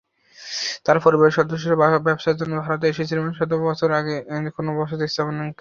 তার পরিবারের সদস্যরা ব্যবসার জন্য ভারতে এসেছিল এবং শত শত বছর আগে সেখানে বসতি স্থাপন করেছিল।